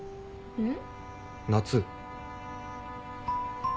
うん。